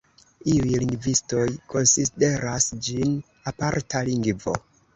Iuj lingvistoj konsideras ĝin aparta lingvo.